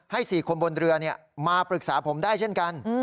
๔คนบนเรือมาปรึกษาผมได้เช่นกัน